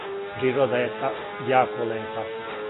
Природа је јако лепа.